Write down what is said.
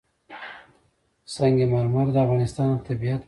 سنگ مرمر د افغانستان د طبیعت برخه ده.